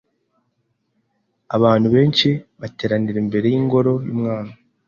Abantu benshi bateraniye imbere yingoro yumwami.